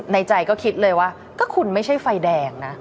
ใจก็คิดเลยว่าก็คุณไม่ใช่ไฟแดงนะ